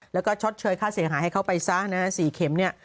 แล้วก็ชดเชยค่าเสียหายให้เขาไปซะนะฮะ๔เข็มเนี่ย